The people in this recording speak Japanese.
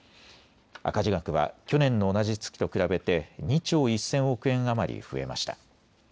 赤字額は去年の同じ月と比べて２兆１０００億円余り増えました。